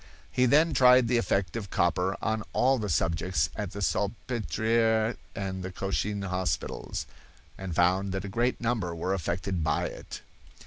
He then tried the effect of copper on all the subjects at the Salpetriere and the Cochin hospitals, and found that a great number were affected by it."